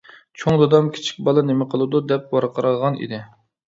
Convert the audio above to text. چوڭ دادام «كىچىك بالا نېمە قىلىدۇ» دەپ ۋارقىرىغان ئىدى.